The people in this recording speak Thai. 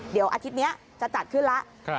เดี๋ยวอาทิตย์นี้จะจัดขึ้นแล้ว